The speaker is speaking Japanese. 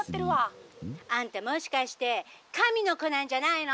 「あんたもしかして神の子なんじゃないの？」。